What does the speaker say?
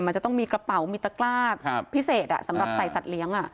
มันจะต้องมีกระเป๋ามีตะกล้าพิเศษสำหรับใส่สัตว์เลี้ยง